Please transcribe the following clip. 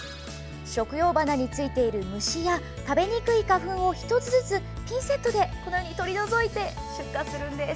食用花についている虫や食べにくい花粉を１つずつピンセットで取り除いて出荷するんです。